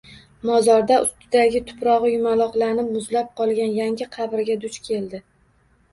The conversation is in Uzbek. Mozorda ustidagi tuprogʻi yumaloqlanib muzlab qolgan yangi qabrga, duch keldi.